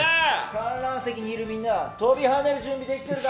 観覧席にいるみんな跳びはねる準備できてるか？